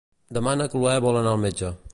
Demà na Chloé vol anar al metge.